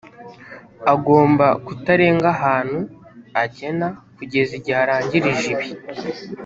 agomba kutarenga ahantu agena kugeza igihe arangirije ibi